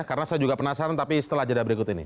karena saya juga penasaran tapi setelah jeda berikut ini